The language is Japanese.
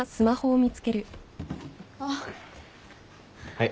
はい。